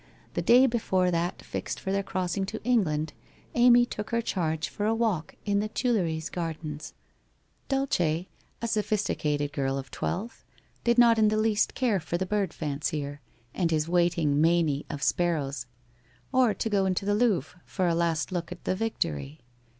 The day before that fixed for their crossing to England, Amy took her charge for a walk in the Tuileries Gardens. Dulce, a sophisticated girl of twelve, did not in the least care for the bird fancier, and his waiting meinie of sparrows, or to go WHITE ROSE OF WEARY LEAF 13 into the Louvre for a last look at the Victory.